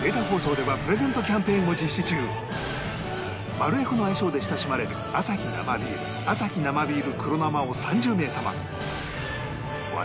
マルエフの愛称で親しまれるアサヒ生ビールアサヒ生ビール黒生を３０名様